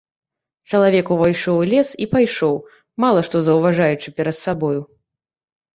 Чалавек увайшоў у лес і пайшоў, мала што заўважаючы перад сабою.